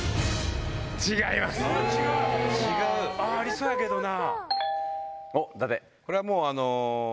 ありそうやけどな。